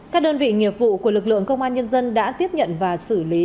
các đơn vị nghiệp vụ của lực lượng công an nhân dân đã tiếp nhận và xử lý